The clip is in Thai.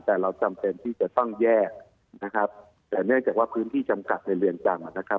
แต่เราจำเป็นที่จะต้องแยกนะครับแต่เนื่องจากว่าพื้นที่จำกัดในเรือนจำนะครับ